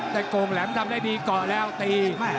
แต่โกงแหลมทำได้ดีเกาะแล้วตี